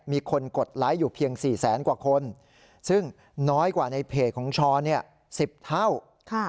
มีคนกดไลค์อยู่เพียง๔แสนกว่าคนซึ่งน้อยกว่าในเพจของช้อนเนี่ยสิบเท่าค่ะ